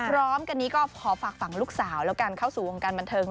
พร้อมกันนี้ก็ขอฝากฝั่งลูกสาวแล้วกันเข้าสู่วงการบันเทิง